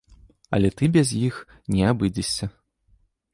Але ты без іх не абыдзешся.